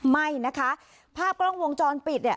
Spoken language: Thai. ไม่นะคะภาพกล้องวงจรปิดเนี่ย